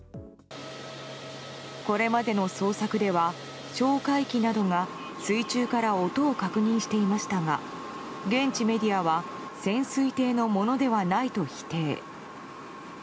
これまでの捜索では哨戒機などが水中から音を確認していましたが現地メディアは潜水艇のものではないと否定。